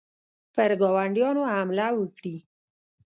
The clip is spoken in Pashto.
پر ګاونډیانو حمله وکړي.